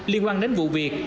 liên quan đến vụ việc